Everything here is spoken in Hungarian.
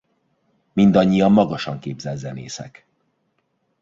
Mindannyian magasan képzett zenészek.